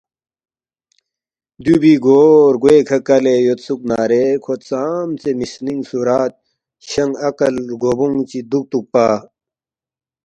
دیُو بی گو رگوے کھہ کلے یودسُوکنارے کھو ژامژے مِسنِنگ صورت شنگ عقل رگو بونگ چی دُوکتُوکپا؟